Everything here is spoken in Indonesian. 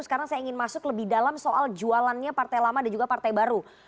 sekarang saya ingin masuk lebih dalam soal jualannya partai lama dan juga partai baru